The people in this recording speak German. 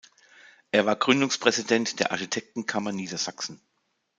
Er war Gründungspräsident der Architektenkammer Niedersachsen.